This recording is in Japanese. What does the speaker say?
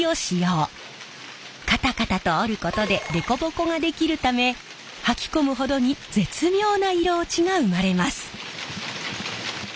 カタカタと織ることで凸凹ができるためはき込むほどに絶妙な色落ちが生まれます。